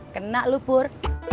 kena lu pur